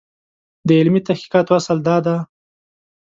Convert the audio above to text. د علمي تحقیقاتو اصل دا دی.